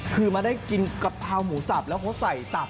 คือมาได้กินกะเพราหมูสับแล้วเขาใส่ตับ